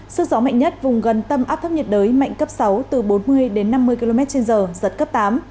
sức gió mạnh nhất vùng gần tâm áp thấp nhiệt đới mạnh cấp sáu từ bốn mươi đến năm mươi km trên giờ giật cấp tám